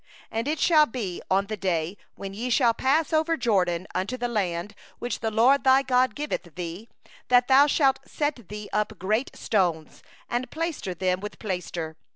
2And it shall be on the day when ye shall pass over the Jordan unto the land which the LORD thy God giveth thee, that thou shalt set thee up great stones, and plaster them with plaster.